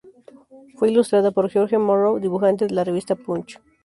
Fue ilustrada por George Morrow, dibujante de la revista "Punch".